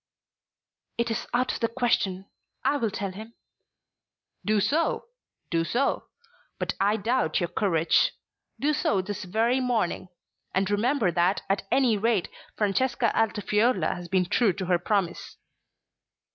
"It is out of the question. I will tell him." "Do so. Do so. But I doubt your courage. Do so this very morning. And remember that at any rate Francesca Altifiorla has been true to her promise."